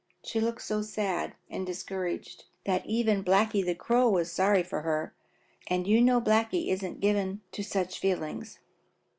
She looked so sad and discouraged that even Blacky the Crow was sorry for her, and you know Blacky isn't much given to such feelings.